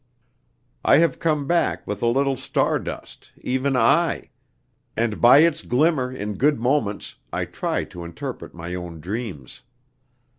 I have come back with a little star dust, even I; and by its glimmer, in good moments, I try to interpret my own dreams.